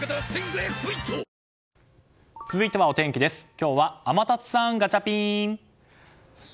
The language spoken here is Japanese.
今日は天達さん、ガチャピン！